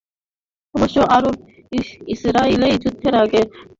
অবশ্য আরব-ইসরায়েলী যুদ্ধের আগে থেকেই তেল সংকট ঘনীভূত হচ্ছিলো।